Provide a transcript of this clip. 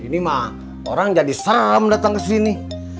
ini mah orang jadi sam datang ke sini